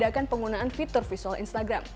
jangan lupa untuk menggunakan fitur visual instagram